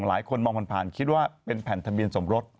หลายคนมองผ่านคิดว่าเป็นแผ่นทะเบียนสมรส